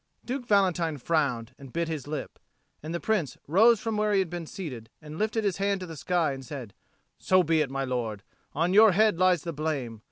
Duke Valentine frowned and bit his lip; and the Prince rose from where he had been seated, and lifted his hand to the sky, and said, "So be it, my lord; on your head lies the blame.